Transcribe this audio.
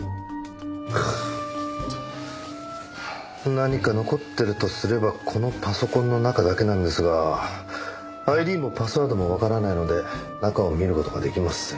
何か残ってるとすればこのパソコンの中だけなんですがＩＤもパスワードもわからないので中を見る事が出来ません。